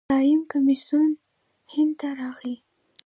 سایمن کمیسیون هند ته راغی.